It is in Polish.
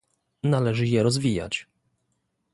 Należy je rozwijać